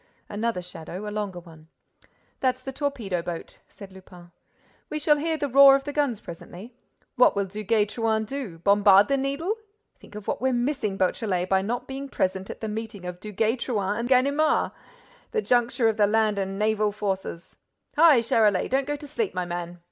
Another shadow, a longer one. "That's the torpedo boat," said Lupin. "We shall hear the roar of the guns presently. What will Duguay Trouin do? Bombard the Needle? Think of what we're missing, Beautrelet, by not being present at the meeting of Duguay Trouin and Ganimard! The juncture of the land and naval forces! Hi, Charolais, don't go to sleep, my man!"